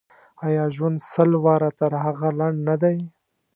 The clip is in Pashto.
آیا ژوند سل واره تر هغه لنډ نه دی.